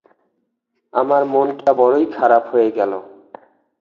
আমার মনটা বড়ই খারাপ হয়ে গেল।